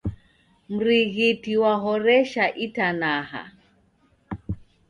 Mrighiti wahoresha itanaha